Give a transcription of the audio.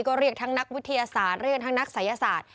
ก็เรียกทั้งนักวิทยาศาสตร์เรียกทั้งนักศัยศาสตร์